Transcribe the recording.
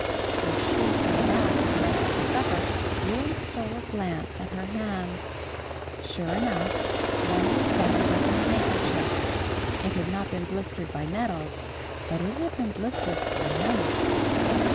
When She came back with the rest of the supper, Will'm stole a glance at her hands. Sure enough, one was bound up in a handkerchief. It had not been blistered by nettles, but it had been blistered for him.